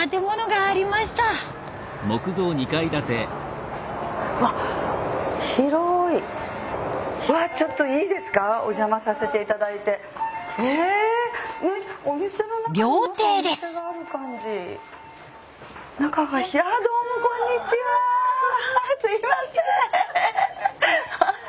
あすいません！